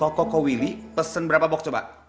toko kowili pesen berapa box coba